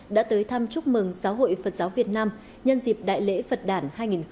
đã tới thăm chúc mừng giáo hội phật giáo việt nam nhân dịp đại lễ phật đản hai nghìn hai mươi ba